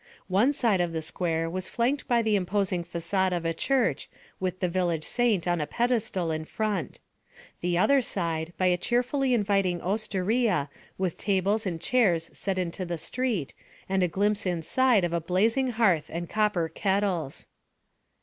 One side of the square was flanked by the imposing façade of a church with the village saint on a pedestal in front; the other side, by a cheerfully inviting osteria with tables and chairs set into the street and a glimpse inside of a blazing hearth and copper kettles.